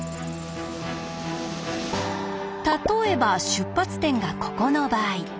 例えば出発点がここの場合。